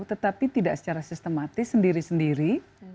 tetapi tidak secara sistematis sendiri sendiri